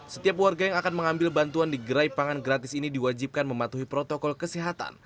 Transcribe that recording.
setiap warga yang akan mengambil bantuan di gerai pangan gratis ini diwajibkan mematuhi protokol kesehatan